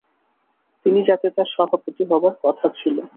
তিনি যাতে তার সভাপতি হবার কথা ছিল।